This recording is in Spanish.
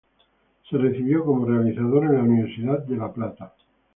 Se recibió como realizador en la Universidad de La Plata.